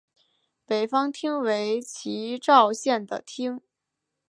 北方町为岐阜县的町。